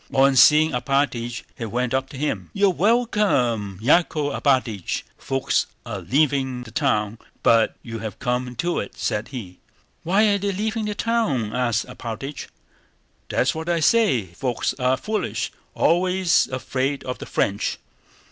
On seeing Alpátych he went up to him. "You're welcome, Yákov Alpátych. Folks are leaving the town, but you have come to it," said he. "Why are they leaving the town?" asked Alpátych. "That's what I say. Folks are foolish! Always afraid of the French."